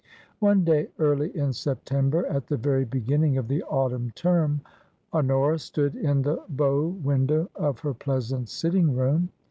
One day early in September, at the very beginning of the autumn term, Honora stood in the bow window of her pleasant sitting room.